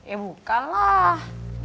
ya bukan lah